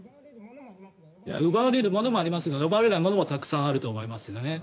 奪われるものもありますが奪われないものもたくさんあると思いますね。